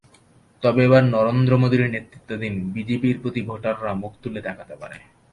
তবে এবার নরেন্দ্র মোদির নেতৃত্বাধীন বিজেপির প্রতি ভোটাররা মুখ তুলে তাকাতে পারে।